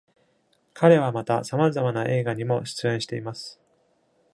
彼はまた、さまざまな映画にも出演しています。